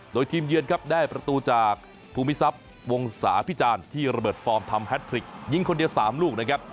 โดยทีมเยือนครับได้ประตูจากภูมิทรัพย์วงศาพิจารณ์ที่ระเบิดฟอร์มทำแฮทริกยิงคนเดียว๓ลูกนะครับ